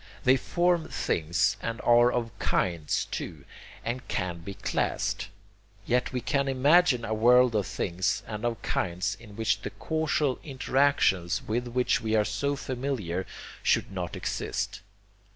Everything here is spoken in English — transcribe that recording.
They form 'things' and are of 'kinds' too, and can be classed. Yet we can imagine a world of things and of kinds in which the causal interactions with which we are so familiar should not exist.